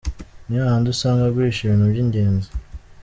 Ni hahandi usanga aguhisha ibintu by’ingenzi.